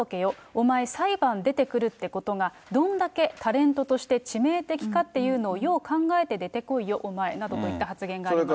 お前、裁判出てくるってことが、どんだけタレントとして致命的かっていうのをよう考えて出てこいよ、お前などといった発言がありました。